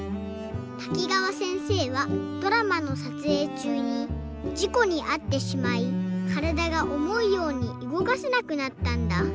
滝川せんせいはドラマのさつえいちゅうにじこにあってしまいからだがおもうようにうごかせなくなったんだ。